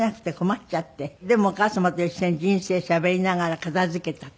でもお母様と一緒に人生しゃべりながら片付けたと。